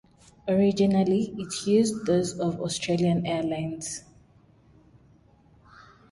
Originally, it used those of Australian Airlines.